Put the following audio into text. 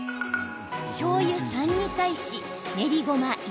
しょうゆ３に対し練りごま